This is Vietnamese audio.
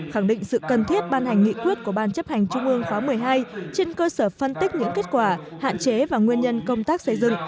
khẳng định sự cần thiết ban hành nghị quyết của ban chấp hành trung ương khóa một mươi hai trên cơ sở phân tích những kết quả hạn chế và nguyên nhân công tác xây dựng